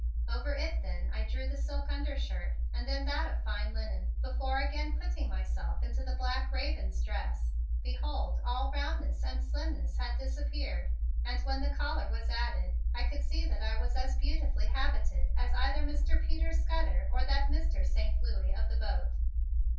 Over it I then drew the silk undershirt and then that of fine linen, before again putting myself into the black raven's dress. Behold, all roundness and slimness had disappeared and when the collar was added I could see that I was as beautifully habited as either Mr. Peter Scudder or that Mr. Saint Louis of the boat.